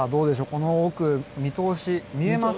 この奥見通し見えますか？